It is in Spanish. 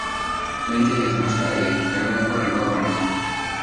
Veinte días más tarde, el barco arribó a Panamá.